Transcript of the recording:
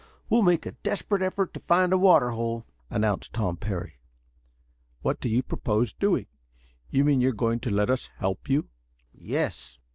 We'll make a desperate effort to find a water hole," announced Tom Parry. "What do you propose doing? You mean you're going to let us help you?" "Yes."